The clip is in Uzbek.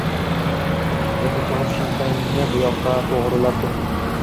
– Endi tumshug‘ingni buyoqqa to‘g‘rilab tur